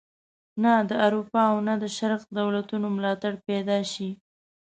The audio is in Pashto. نه د اروپا او نه د شرق دولتونو ملاتړ پیدا شي.